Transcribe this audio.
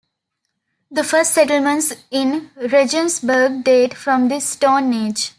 The first settlements in Regensburg date from the Stone Age.